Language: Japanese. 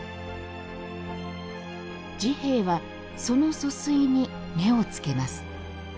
治兵衛はその疏水に目をつけます。